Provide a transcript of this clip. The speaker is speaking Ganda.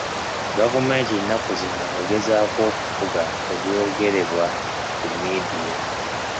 Gavumenti ennaku zino egezaako okufuga eby'ogerebwa mu midiya.